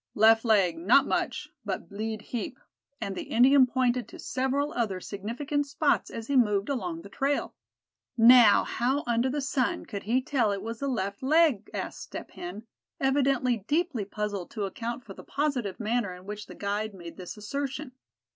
"Left leg, not much, but bleed heap," and the Indian pointed to several other significant spots as he moved along the trail. "Now how under the sun could he tell it was the left leg?" asked Step Hen, evidently deeply puzzled to account for the positive manner in which the guide made this assertion.